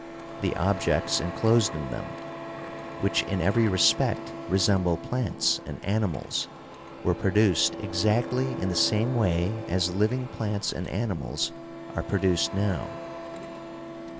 The objects enclosed in them, which in every respect resemble plants and animals, were produced exactly in the same way as living plants and animals are produced now.